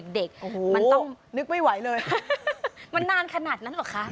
เด็กมันโต๊ะนึกไม่ไหวเลยมันนานขนาดนั้นหรอค่ะ